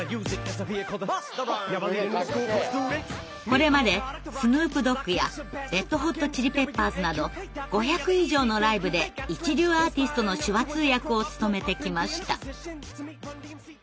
これまでスヌープ・ドッグやレッド・ホット・チリ・ペッパーズなど５００以上のライブで一流アーティストの手話通訳を務めてきました。